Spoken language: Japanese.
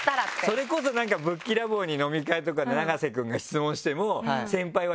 それこそなんかぶっきらぼうに飲み会とかで永瀬くんが質問しても。